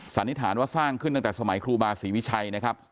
สันนิษฐานว่าสร้างขึ้นตั้งแต่สมัยครูบาศรีวิชัยนะครับ